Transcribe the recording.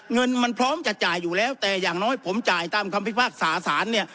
เงินมันพร้อมจะจ่ายอยู่แล้วแต่อย่างน้อยผมจ่ายตามคำพิพากษาสารเนี่ย